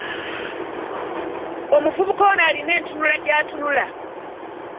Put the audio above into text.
Omuvubuka ono alina entunula gy'atunula.